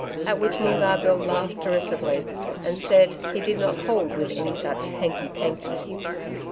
At which Moongarr Bill laughed derisively, and said he did not hold with any such hanky panky.